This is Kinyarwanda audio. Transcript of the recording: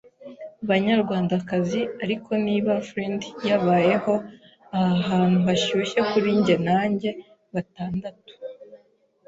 Banyarwandakazi, ariko niba Flint yabayeho, aha hantu hashyushye kuri njye nanjye. Batandatu